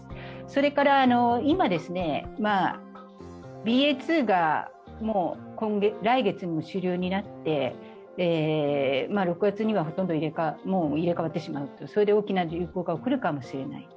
それから今、ＢＡ．２が来月にも主流になって６月には入れかわってしまうそれで大きな流行が来るかもしれない。